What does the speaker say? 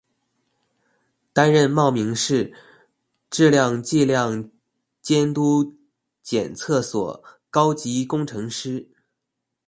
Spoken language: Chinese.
担任茂名市质量计量监督检测所高级工程师。